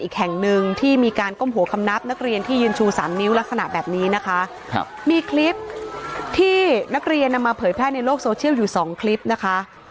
มีคลิปที่มีนักเรียนจะมาผลิตแพทย์ในโลกโซเชียลอยู่สองคลิปนะคะ